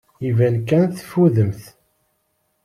Iban kan teffudemt.